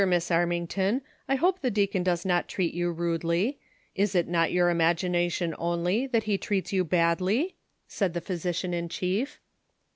Miss Armington, I hope the deacon does not treat you rudely. Is it not your imagination only, that he treats you badly V " said the physician in cliief.